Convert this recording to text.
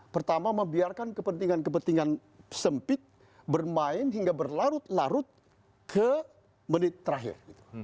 pertama membiarkan kepentingan kepentingan sempit bermain hingga berlarut larut ke menit terakhir